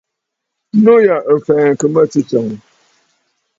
Nû yà ɨ̀ fɛ̀ɛ̀ŋkə̀ mə̂ tsɨ̂tsɔ̀ŋə̀.